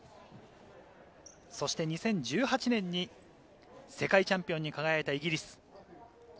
そして２０１８年に世界チャンピオンに輝いたイギリス。